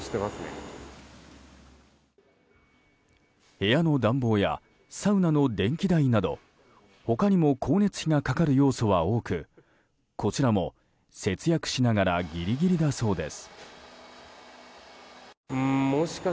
部屋の暖房やサウナの電気代など他にも光熱費がかかる要素は多くこちらも、節約しながらギリギリだそうです。